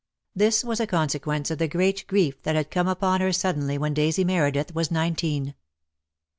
This was a consequence of the great grief that had come upon her suddenly when Daisy Meredith was nineteen.